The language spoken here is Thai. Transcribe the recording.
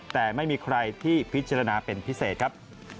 แต่ไม่มีใครที่พิจารณาเป็นพิเศษครับ